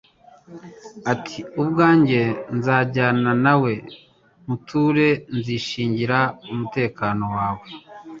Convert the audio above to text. ati : "Ubwanjye nzajyana nawe nkunthure'." Nzishingira umutekano wawe.